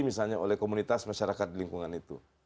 misalnya oleh komunitas masyarakat di lingkungan itu